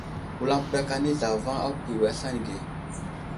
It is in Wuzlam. Wulampəɗak anay zlavaŋ a kuyo aslane ge.